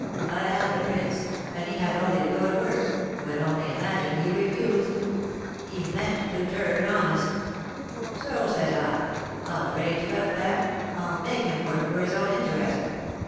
I had the prints, and he had only to go to work, when, only imagine, he refused, he meant to turn honest. So, says I, I'll arrange about that, I'll make him work, for his own interest.